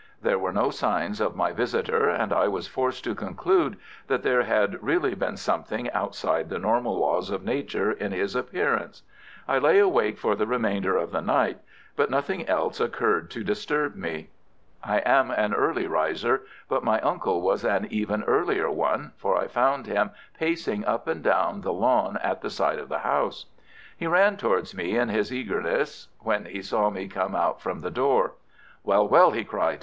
There were no signs of my visitor, and I was forced to conclude that there had really been something outside the normal laws of Nature in his appearance. I lay awake for the remainder of the night, but nothing else occurred to disturb me. I am an early riser, but my uncle was an even earlier one, for I found him pacing up and down the lawn at the side of the house. He ran towards me in his eagerness when he saw me come out from the door. "Well, well!" he cried.